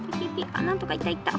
あっなんとかいったいった。